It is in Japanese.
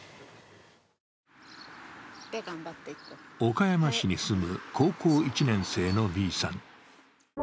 岡山市に住む高校１年生のＢさん。